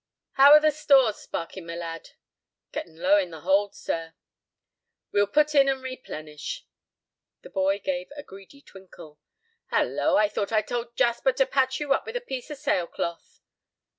"How are the 'stores,' Sparkin, my lad?" "Getting low in the hold, sir." "We will put in and replenish." The boy gave a greedy twinkle. "Hallo! I thought I told Jasper to patch you up with a piece of sail cloth?"